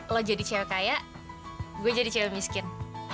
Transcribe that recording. lo jadi cewek kaya gue jadi cewek miskin